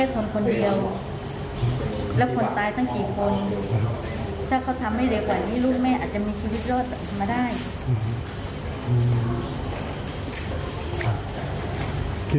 คิดว่าถ้าวายกว่านี้น้องโอ๊ตก็